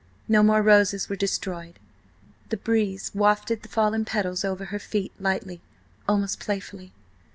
No more roses were destroyed; the breeze wafted the fallen petals over her feet, lightly, almost playfully.